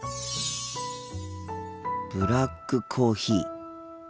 ブラックコーヒー。